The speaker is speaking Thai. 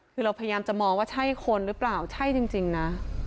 คือเราพยายามจะมองว่าใช่คนหรือเปล่าใช่จริงนะ